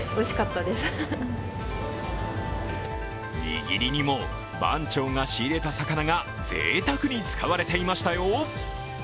握りにも番長が仕入れた魚がぜいたくに使われていましたよ。